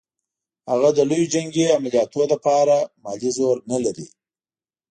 هغه د لویو جنګي عملیاتو لپاره مالي زور نه لري.